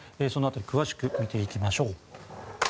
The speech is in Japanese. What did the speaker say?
その辺り詳しく見ていきましょう。